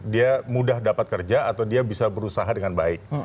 dia mudah dapat kerja atau dia bisa berusaha dengan baik